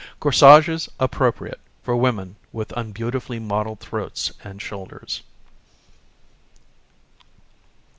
CORSAGES APPROPRIATE FOR WOMEN WITH UNBEAUTIFULLY MODELLED THROATS AND SHOULDERS.